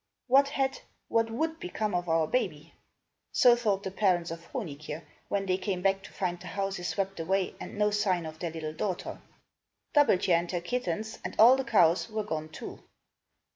What had, what would, become of our baby? So thought the parents of Honig je', when they came back to find the houses swept away and no sign of their little daughter. Dub belt je' and her kittens, and all the cows, were gone too.